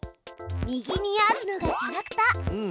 右にあるのがキャラクター。